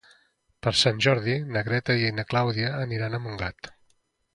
Per Sant Jordi na Greta i na Clàudia aniran a Montgat.